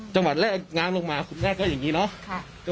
จังหวัดแรกน้ำลงมาคุณแม่ก็อย่างนี้เนาะ